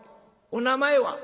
お名前は？」。